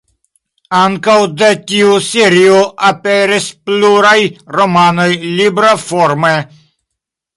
Ankaŭ de tiu serio aperis pluraj romanoj libroforme.